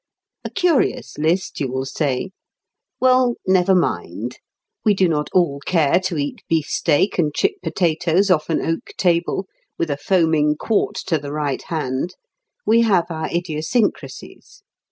A curious list, you will say. Well, never mind! We do not all care to eat beefsteak and chip potatoes off an oak table, with a foaming quart to the right hand. We have our idiosyncrasies.